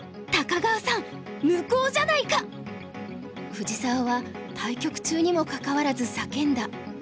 藤沢は対局中にもかかわらず叫んだ。